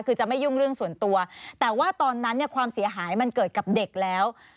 คือจะไม่ยุ่งเรื่องส่วนตัวแต่ว่าตอนนั้นเนี่ยความเสียหายมันเกิดกับเด็กแล้ว